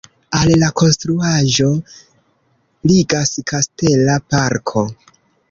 Al la konstruaĵo ligas kastela parko.